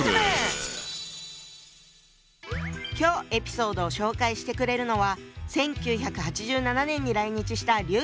今日エピソードを紹介してくれるのは１９８７年に来日した劉さん。